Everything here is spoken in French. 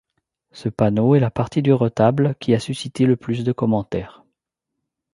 Ce panneau est la partie du retable qui a suscité le plus de commentaires.